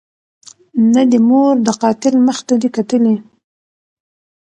نه دي مور د قاتل مخ ته دي کتلي